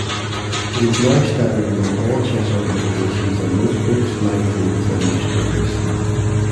It is now standard among all chess organizations and most books, magazines, and newspapers.